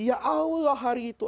ya allah hari itu